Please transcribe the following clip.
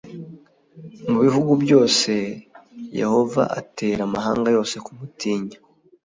Mu bihugu byose yehova atera amahanga yose kumutinya